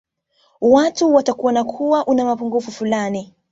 watu watakuona kuwa una mapungufu fulani